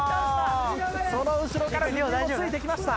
その後ろから藤井もついてきました。